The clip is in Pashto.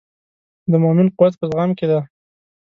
د مؤمن قوت په زغم کې دی.